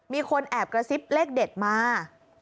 มีคนแอบกระซิบเลขเด็ดมา